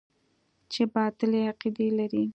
چې باطلې عقيدې لري.